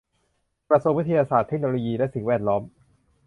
กระทรวงวิทยาศาสตร์ เทคโนโลยี และสิ่งแวดล้อม